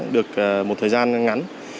được một thời gian ngắn